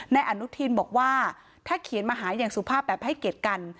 นายอนุทินบอกว่าถ้าเขียนมาหาอย่างสุภาพแบบให้เกียรติกัน